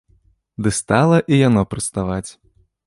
Ды стала і яно прыставаць.